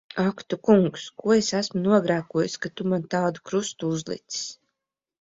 Ak tu Kungs! Ko es esmu nogrēkojusi, ka tu man tādu krustu uzlicis!